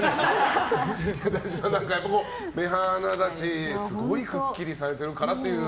目鼻立ちがすごいくっきりされているからという。